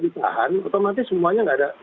ditahan otomatis semuanya nggak ada